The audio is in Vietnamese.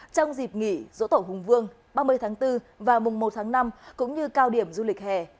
trong dịp nghỉ dỗ tổ hùng vương ba mươi tháng bốn và mùng một tháng năm cũng như cao điểm du lịch hè